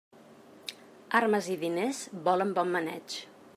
Armes i diners volen bon maneig.